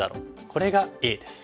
これがＡです。